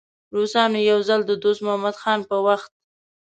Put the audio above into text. روسانو یو ځل د دوست محمد خان په وخت.